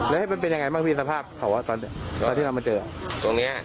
ได้ไปเป็นยังไงมีสภาพตอนที่เรามาเจอตรงนี้